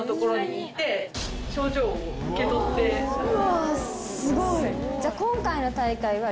わすごい！